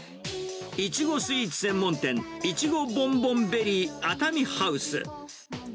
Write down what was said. イチゴスイーツ専門店、いちごボンボンベリーアタミハウス。